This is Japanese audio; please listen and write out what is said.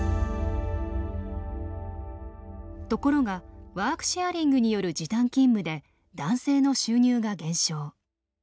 ところがワークシェアリングによる時短勤務で男性の収入が減少。